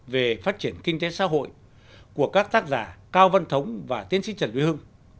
về phát triển kinh tế xã hội của các tác giả cao văn thống và tiến sĩ trần duy hưng